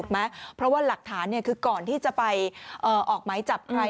เพราะว่าหลักฐานคือก่อนที่จะไปออกหมายจับใคร